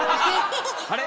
あれ？